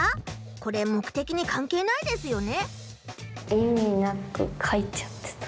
これ目的にかんけいないですよね。